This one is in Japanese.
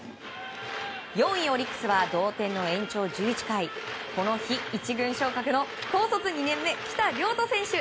４位、オリックスは同点の延長１１回この日、１軍昇格の高卒２年目来田涼斗選手。